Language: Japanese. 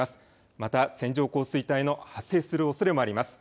また、線状降水帯の発生するおそれもあります。